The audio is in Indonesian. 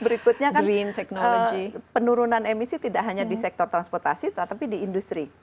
berikutnya kan penurunan emisi tidak hanya di sektor transportasi tetapi di industri